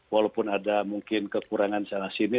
walaupun ada mungkin kekurangan sana sini